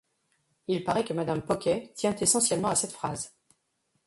Il paraît que madame Poquet tient essentiellement à cette phrase.